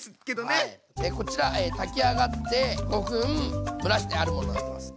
こちら炊き上がって５分蒸らしてあるものがあります。